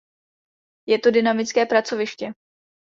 Je to dynamické pracoviště.